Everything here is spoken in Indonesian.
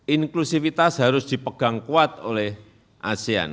inklusivitas harus dipegang kuat oleh asean